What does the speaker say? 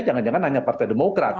jangan jangan hanya partai demokrat